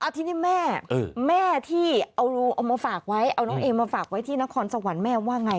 ทีนี้แม่แม่ที่เอามาฝากไว้เอาน้องเอมมาฝากไว้ที่นครสวรรค์แม่ว่าไง